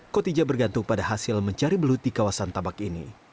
kotija bergantung pada hasil mencari belut di kawasan tabak ini